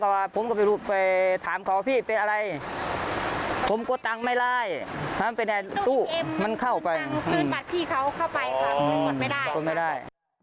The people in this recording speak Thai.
บัตรพี่เขาเข้าไปคือมันหมดไม่ได้